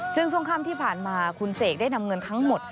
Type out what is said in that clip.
ซึ่งช่วงค่ำที่ผ่านมาคุณเสกได้นำเงินทั้งหมด